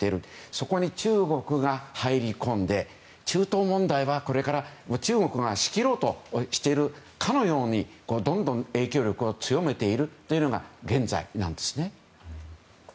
そこに中国が入り込んで中東問題は中国が仕切ろうとしているかのようにどんどん影響力を強めているのが現在なんですね。